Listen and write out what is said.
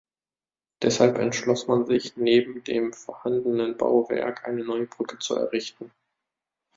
Deshalb entschloss man sich, neben dem vorhandenen Bauwerk eine neue Brücke zu errichten.